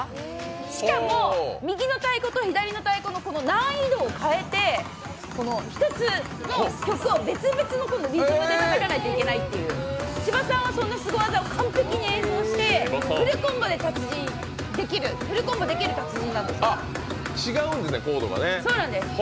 しかも、右の太鼓と左の太鼓の難易度を変えて、１つの曲を別々のリズムでたたかないといけないというしばさんはそんなすご技を完璧に演奏して違うんですね、コードがね。